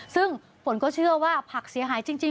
ซึ่งฝนก็เชื่อว่าผักเสียหายจริง